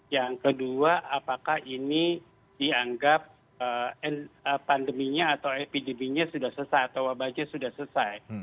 yang kedua apakah ini dianggap pandeminya atau epideminya sudah selesai atau wabahnya sudah selesai